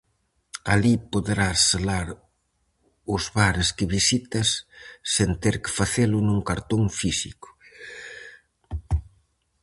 Alí poderás selar os bares que visitas sen ter que facelo nun cartón físico.